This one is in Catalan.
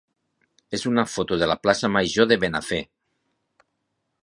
és una foto de la plaça major de Benafer.